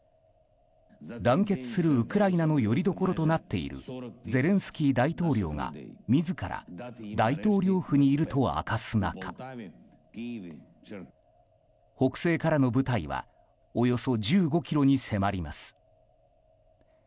団結するウクライナのよりどころとなっているゼレンスキー大統領が自ら大統領府にいると明かす中北西からの部隊はおよそ１５ｋｍに迫ります。